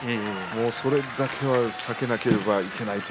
それだけは避けなければいけません。